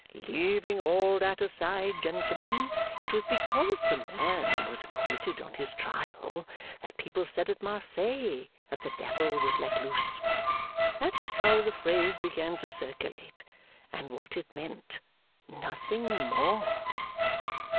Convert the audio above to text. Leaving all that aside, gentlemen, it was because the man was acquitted on his trial that people said at Marseilles that the devil was let loose. That was how the phrase began to circulate, and what it meant; nothing more.